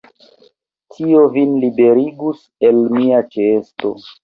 Tio vin liberigus el mia ĉeesto.